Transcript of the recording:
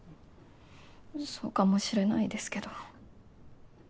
そうかもしれないですけど。